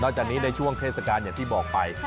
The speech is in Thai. จากนี้ในช่วงเทศกาลอย่างที่บอกไป